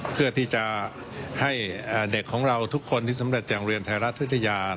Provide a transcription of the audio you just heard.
เพื่อที่จะให้เด็กของเราทุกคนที่สำเร็จอย่างเรียนไทยรัฐวิทยา